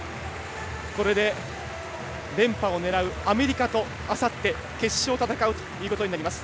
これで、連覇を狙うアメリカとあさって決勝を戦うということになります。